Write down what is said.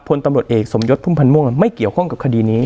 พลตำรวจเอกสมยศพุ่มพันธ์ม่วงไม่เกี่ยวข้องกับคดีนี้